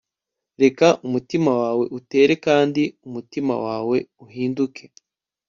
reka umutima wawe utere kandi umutima wawe uhinduke